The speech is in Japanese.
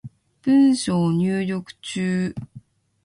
文章入力中